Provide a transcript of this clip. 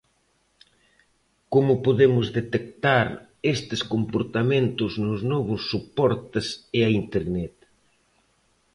Como podemos detectar estes comportamentos nos novos soportes e a Internet?